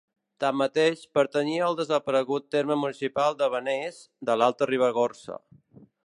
Tanmateix, pertanyia al desaparegut terme municipal de Benés, de l'Alta Ribagorça.